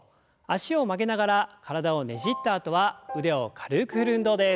脚を曲げながら体をねじったあとは腕を軽く振る運動です。